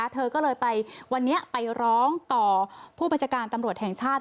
เธอก็เลยไปวันนี้ไปร้องต่อผู้บัญชาการตำรวจแห่งชาติ